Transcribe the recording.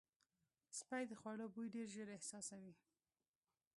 سپي د خوړو بوی ډېر ژر احساسوي.